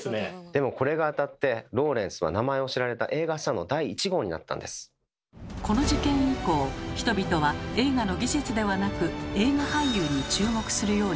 でもこれが当たってローレンスは名前を知られたこの事件以降人々は映画の技術ではなく映画俳優に注目するようになりました。